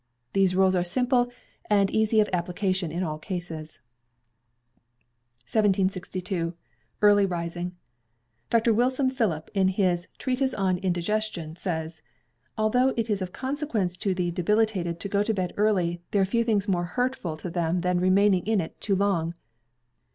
These rules are simple, and easy of application in all cases. 1762. Early Rising. Dr. Wilson Philip, in his "Treatise on Indigestion," says: "Although it is of consequence to the debilitated to go early to bed, there are few things more hurtful to them than remaining in it too long.